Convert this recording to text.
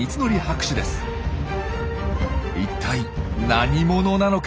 一体何者なのか？